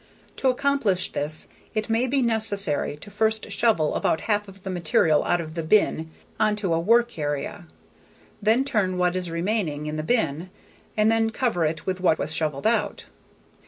To accomplish this it may be necessary to first shovel about half of the material out of the bin onto a work area, then turn what is remaining in the bin and then cover it with what was shoveled out.